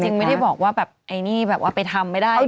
จริงไม่ได้บอกว่าแบบไอ่นี่แบบว่าประสงค์ไปได้